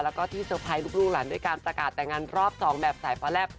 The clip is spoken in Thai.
แล้วก็ที่เซอร์ไพรส์ลูกหลังด้วยการสกาดแต่งงานรอบสองแบบสายพระแร็บ